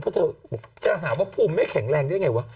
เพราะเธอจะหาว่าภูมิไม่แข็งแรงได้ไงวะ